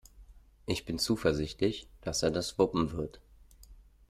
Ich bin zuversichtlich, dass er das wuppen wird.